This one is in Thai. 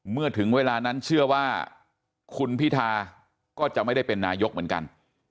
เมื่อถึงเวลานั้นเชื่อว่าคุณพิธาก็จะไม่ได้เป็นนายกเหมือนกัน